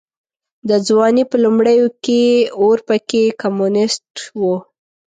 د ځوانۍ په لومړيو کې اورپکی کمونيسټ و.